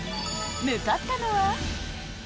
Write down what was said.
向かったのは。